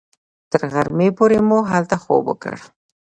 تر غرمې پورې مو هلته خوب وکړ.